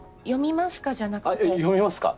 「読みますか？」